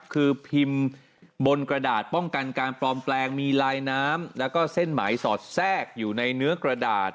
คือพิมพ์บนกระดาษป้องกันการปลอมแปลงมีลายน้ำแล้วก็เส้นหมายสอดแทรกอยู่ในเนื้อกระดาษ